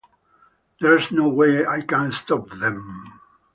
There's no way I can stop them.